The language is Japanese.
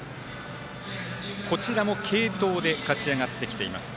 こちらも継投で勝ち上がってきています。